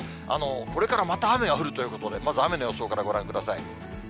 これからまた雨が降るということで、まず雨の予想からご覧ください。